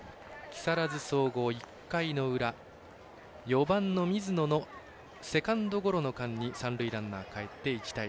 木更津総合、１回の裏４番の水野のセカンドゴロの間に三塁ランナーかえって１対１。